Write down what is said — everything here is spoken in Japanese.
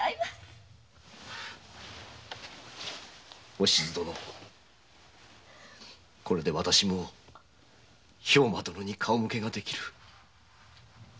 おしず殿これでわたしも兵馬殿に顔向けができる。